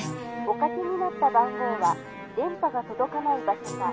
「おかけになった番号は電波が届かない場所か」。